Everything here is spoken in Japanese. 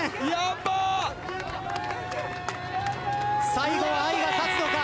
最後は愛が勝つのか？